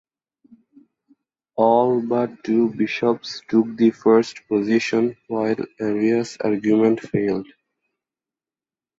All but two bishops took the first position; while Arius' argument failed.